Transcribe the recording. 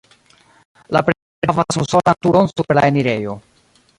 La preĝejo havas unusolan turon super la enirejo.